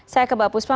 saya ke mbak puspa